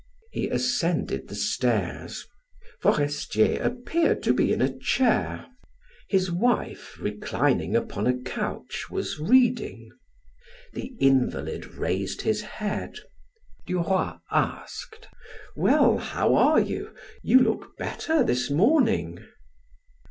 He ascended the stairs. Forestier appeared to be in a chair; his wife, reclining upon a couch, was reading. The invalid raised his head. Duroy asked: "Well, how are you? You look better this morning."